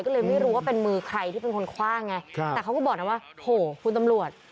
ก็เลยไม่รู้ว่าเป็นมือใครที่เป็นคนคว่างไงแต่เขาก็บอกนะว่าโหคุณตำรวจ